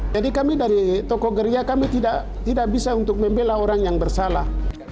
jadi kami dari tokoh gereja kami tidak bisa untuk membela orang yang bersalah